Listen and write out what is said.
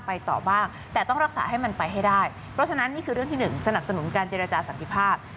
ไปต่อบ้างแต่ต้องรักษาให้มันไปให้ได้เพราะฉะนั้นนี่คือเรื่องที่หนึ่งสนับสนุนการเจรจาสันติภาพ